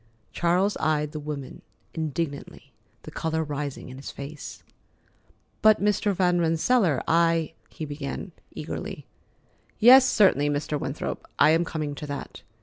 Charles eyed the woman indignantly, the color rising in his face. "But, Mr. Van Rensselaer, I——" he began eagerly. "Yes, certainly, Mr. Winthrop; I am coming to that.